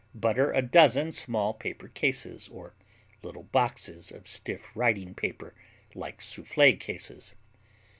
Butter a dozen small paper cases, or little boxes of stiff writing paper like Soufflé cases.